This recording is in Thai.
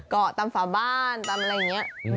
เกาะตามฝาบ้านตามอะไรอย่างนี้